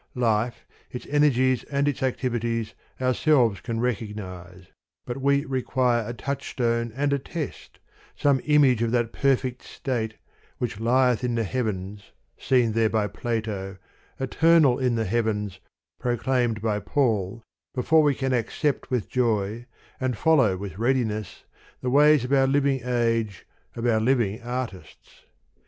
Life, its energies and its activities, ourselves can recognize : but we require a touchstone and a test, some im age of that perfect state, which lieth in the heavens, seen there by Plato, eternal in the heavens, proclaimed by Paul, before we can accept with joy, and follow with readiness, the ways of our living age, of our living artists.